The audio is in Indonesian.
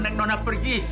neng nona pergi